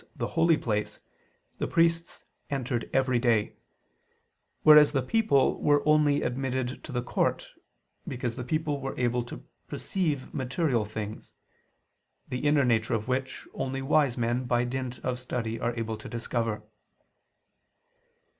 the Holy Place, the priests entered every day: whereas the people were only admitted to the court; because the people were able to perceived material things, the inner nature of which only wise men by dint of study are able to discover.